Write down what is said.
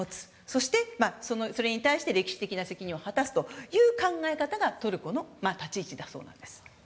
そして、それに対して歴史的な責任を果たすという考え方がトルコの立ち位置だそうです。